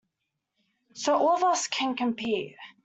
So all of us can compete.